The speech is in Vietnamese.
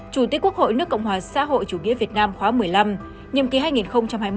chủ tịch quốc hội nước cộng hòa xã hội chủ nghĩa việt nam khóa một mươi năm